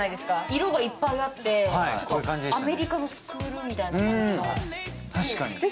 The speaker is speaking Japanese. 色がいっぱいあって、アメリカみたいな感じで。